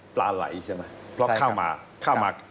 ปลาไหล่ใช่ไหมเพราะเข้ามา